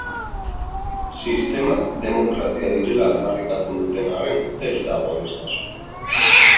Sistemak demokrazia direla aldarrikatzen duten arren, ez dago aniztasunik.